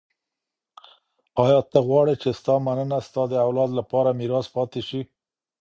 ایا ته غواړې چي ستا مننه ستا د اولاد لپاره میراث پاته سي؟